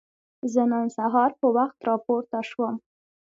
زه نن سهار په وخت راپورته شوم.